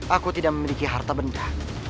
aku tidak memiliki harta benda